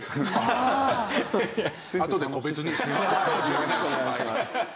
よろしくお願いします。